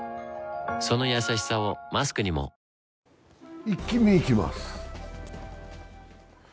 そのやさしさをマスクにもイッキ見、いきます。